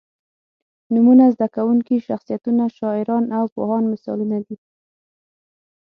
نومونه، زده کوونکي، شخصیتونه، شاعران او پوهان مثالونه دي.